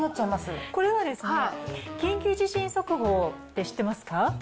これはですね、緊急地震速報って知ってますか？